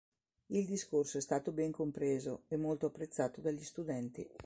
Il discorso è stato ben compreso e molto apprezzato dagli studenti.